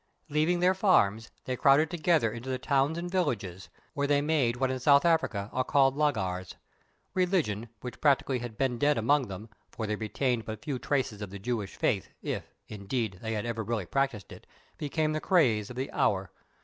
Leaving their farms, they crowded together into the towns and villages, where they made what in South Africa are called laagers. Religion, which practically had been dead among them, for they retained but few traces of the Jewish faith if, indeed, they had ever really practised it, became the craze of the hour.